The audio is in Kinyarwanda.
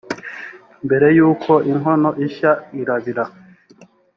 mbere y’uko inkono ishya, irabira.